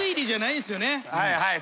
はいはい。